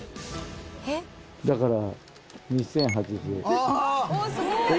だから。